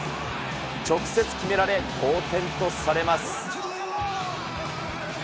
直接決められ、同点とされます。